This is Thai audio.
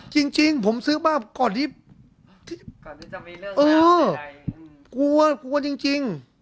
จริงจริงผมซื้อบ้านก่อนที่ก่อนที่จะมีเรื่องเออกลัวกลัวจริงจริง